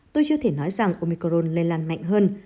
tôi chưa thể nói rằng omicron lên làn mạnh hơn